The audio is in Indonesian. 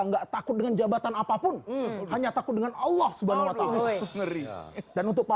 nggak takut dengan jabatan apapun hanya takut dengan allah subhanahuwata'ala dan untuk pak